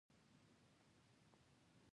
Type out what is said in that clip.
په قاموس لیکنه کې له متلونو ګټه اخیستل کیږي